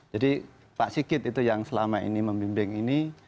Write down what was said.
jadi pak sikit itu yang selama ini membimbing ini